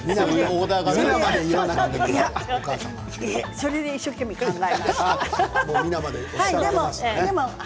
それで一生懸命考えました。